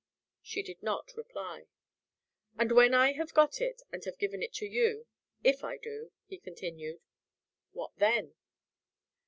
She did not reply. "And when I have got it, and have given it to you if I do," he continued, "what then?"